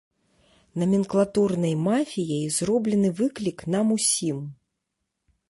Наменклатурнай мафіяй зроблены выклік нам усім.